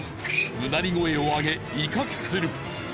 うなり声をあげ威嚇する。